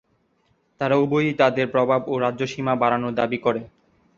তারা উভয়েই তাদের প্রভাব ও রাজ্য সীমা বাড়ানোর দাবী করে।